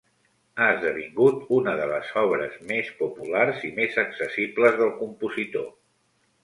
Ha esdevingut una de les obres més populars i més accessibles del compositor.